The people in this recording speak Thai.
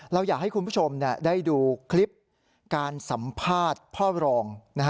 เราอยากให้คุณผู้ชมได้ดูคลิปการสัมภาษณ์พ่อรอง